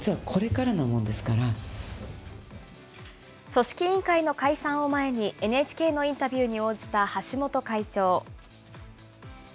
組織委員会の解散を前に、ＮＨＫのインタビューに応じた橋本会長。